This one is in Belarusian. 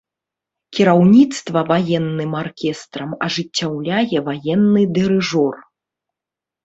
Кіраўніцтва ваенным аркестрам ажыццяўляе ваенны дырыжор.